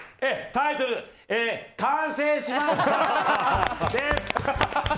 タイトル完成しました！です。